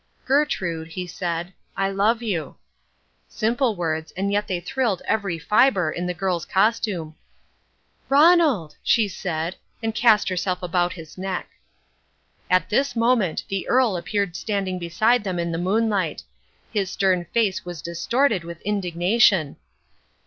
"Gertrude," he said, "I love you." Simple words, and yet they thrilled every fibre in the girl's costume. "Ronald!" she said, and cast herself about his neck. At this moment the Earl appeared standing beside them in the moonlight. His stern face was distorted with indignation.